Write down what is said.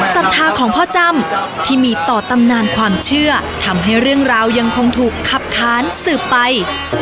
ศรัทธาของพ่อจ้ำที่มีต่อตำนานความเชื่อทำให้เรื่องราวยังคงถูกขับค้านสืบไป